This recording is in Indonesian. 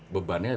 bebannya ada di